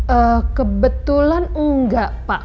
eh kebetulan enggak pak